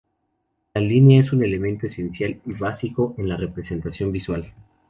La línea es un elemento esencial y básico en la representación visual.